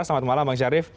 selamat malam bang syarif